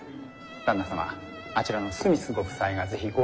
旦那様あちらのスミスご夫妻が是非ご挨拶をと。